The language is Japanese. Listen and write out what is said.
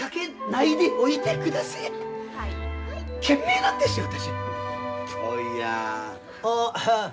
懸命なんですよ私は。